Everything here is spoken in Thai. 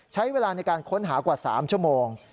ใช้เวลาในการค้นหากว่า๓ชั่วโมง